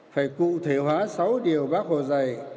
phải cụ thể hóa sáu điều bác hồ dạy